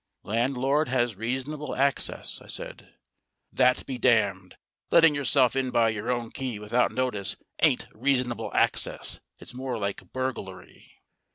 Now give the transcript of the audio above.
"Landlord has reasonable access," I said. "That be damned! Letting yourself in by your own key without notice ain't reasonable access. It's more like burglary."